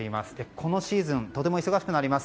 このシーズンとても忙しくなります。